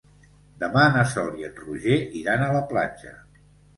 Demà na Sol i en Roger iran a la platja.